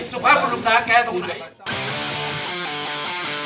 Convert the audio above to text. สุภาพรุ่งตาแกตรงไหน